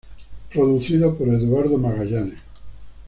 Producido por Eduardo Magallanes.